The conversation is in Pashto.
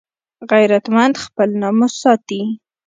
غیرتمند خپل ناموس ساتي